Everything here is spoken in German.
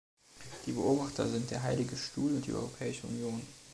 Die Beobachter sind der Heilige Stuhl und die Europäische Union.